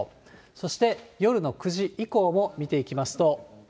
そして、夜の９時以降も見ていきますと。